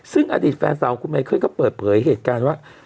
ซึ่งอดีตแฟนสาวของคุณไมเคิลก็เปิดเผยเหตุการณ์ว่า